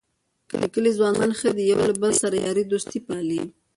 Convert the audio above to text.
د کلي ځوانان ښه دي یو له بل سره یارۍ دوستۍ پالي.